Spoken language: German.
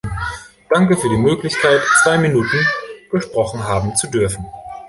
Danke für die Möglichkeit, zwei Minuten gesprochen haben zu dürfen.